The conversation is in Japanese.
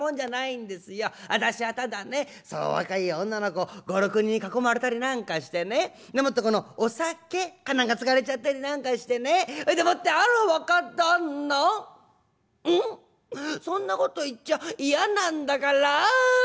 私はただねそう若い女の子５６人に囲まれたりなんかしてねでもってこのお酒か何かつがれちゃったりなんかしてねそいでもって『あら若旦那うん？そんなこと言っちゃ嫌なんだからあん！』